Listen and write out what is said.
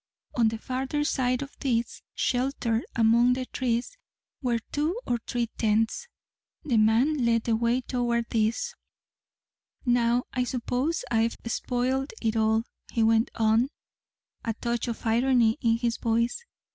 On the farther side of this, sheltered among the trees, were two or three tents. The man led the way toward these. "Now, I suppose I've spoiled it all," he went on, a touch of irony in his voice.